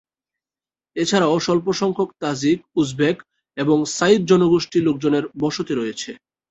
এছাড়াও স্বল্পসংখ্যক Tajik, Uzbek এবং সাঈদ জনগোষ্ঠী লোকজনের বসতি রয়েছে।